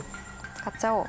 使っちゃおう。